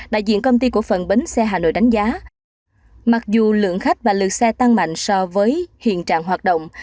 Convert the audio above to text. đại diện công ty cổ phần bến xe hà nội đánh giá mặc dù lượng khách và lượt xe tăng mạnh so với hiện trạng hoạt động